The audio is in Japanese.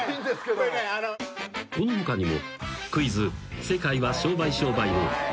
［この他にも］